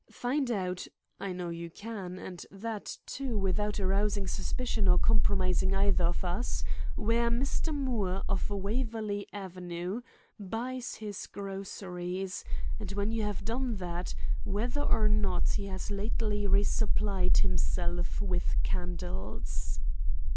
Find out—I know you can, and that, too, without arousing suspicion or compromising either of us—where Mr. Moore, of Waverley Avenue, buys his groceries, and when you have done that, whether or not he has lately resupplied himself with candles."